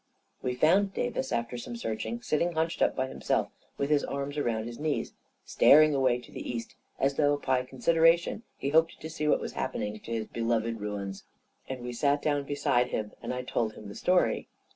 We found Davis, after some searching, sitting hunched up by himself, with his arms around his knees, staring away to the east, as though by con centration he hoped to see what was happening to his beloved ruins ; and we sat down beside him, and I told him the story.